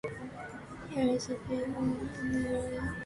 Here’s a peg to hang your cap on.